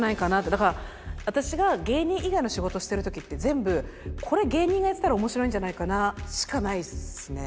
だから私が芸人以外の仕事してる時って全部これ芸人がやってたら面白いんじゃないかなしかないですね。